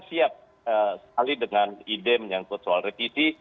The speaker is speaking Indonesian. siap sekali dengan ide menyangkut soal revisi